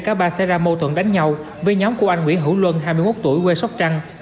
cả ba xảy ra mâu thuẫn đánh nhau với nhóm của anh nguyễn hữu luân hai mươi một tuổi quê sóc trăng